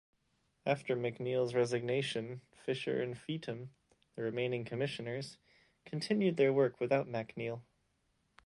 After McNeill's resignation Fisher and Feetham, the remaining commissioners, continued their work without MacNeill.